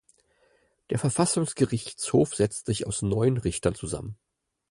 Der Verfassungsgerichtshof setzt sich aus neun Richtern zusammen.